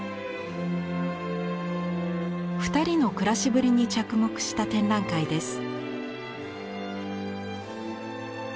２人のくらしぶりに着目した展覧会です。